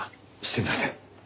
すみません。